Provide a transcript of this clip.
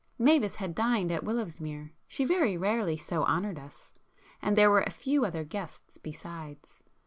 Mavis had dined at Willowsmere; she very rarely so honoured us; and there were a few other guests besides.